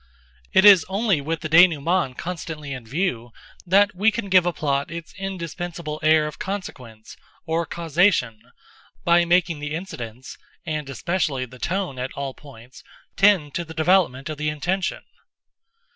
It is only with the dénouement constantly in view that we can give a plot its indispensable air of consequence, or causation, by making the incidents, and especially the tone at all points, tend to the development of the intention.